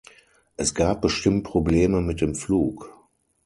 Es gab bestimmt Probleme mit dem Flug.